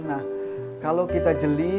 nah kalau kita jeli